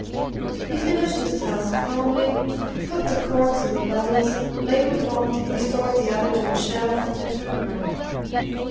He finished his task calmly, put the corks in the bottles, labelled one, restored the other to a shelf, and turned round.